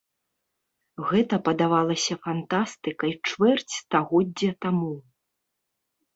Гэта падавалася фантастыкай чвэрць стагоддзя таму.